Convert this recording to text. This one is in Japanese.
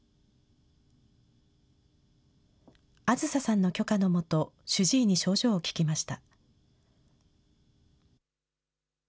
あずささんの許可の下、主治医に症状を聞きました。